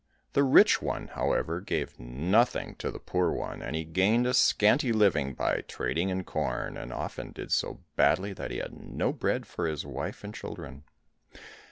The rich one, however, gave nothing to the poor one, and he gained a scanty living by trading in corn, and often did so badly that he had no bread for his wife and children.